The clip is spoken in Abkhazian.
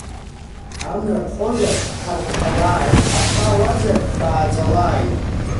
Амра ԥхозар ҳарԥхалааит, ақәа ауазар ҳбааӡалааит.